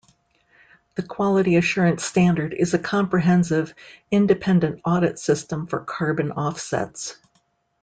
The Quality Assurance Standard is a comprehensive independent audit system for carbon offsets.